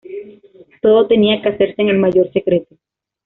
Todo tenía que hacerse en el mayor secreto.